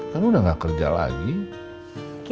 kan udah gak kerja lagi